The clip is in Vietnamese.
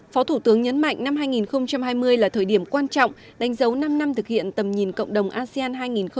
phó thủ tướng nhấn mạnh năm hai nghìn hai mươi là thời điểm quan trọng đánh dấu năm năm thực hiện tầm nhìn cộng đồng asean hai nghìn hai mươi năm